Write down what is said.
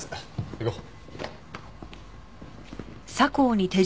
行こう。